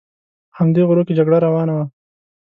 په همدې غرو کې جګړه روانه وه.